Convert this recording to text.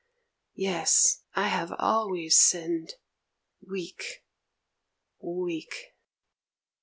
Yes, I have always sinned. Weak! Weak!